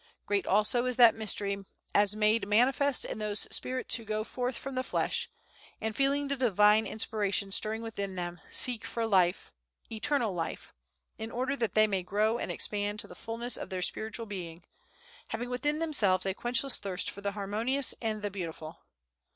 Great, also, is that mystery as made manifest in those spirits who go forth from the flesh, and feeling the Divine inspiration stirring within them, seek for life, Eternal Life, in order that they may grow and expand to the fulness of their spiritual being, having within themselves a quenchless thirst for the harmonious and the beautiful.